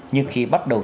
nhưng khi bắt đầu